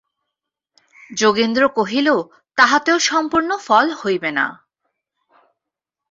যোগেন্দ্র কহিল, তাহাতেও সম্পূর্ণ ফল হইবে না।